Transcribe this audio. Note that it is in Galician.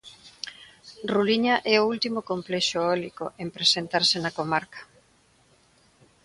Ruliña é o último complexo eólico en presentarse na comarca.